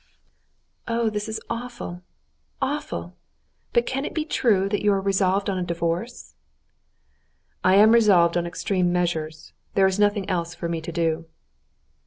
"Oh, this is awful, awful! But can it be true that you are resolved on a divorce?" "I am resolved on extreme measures. There is nothing else for me to do."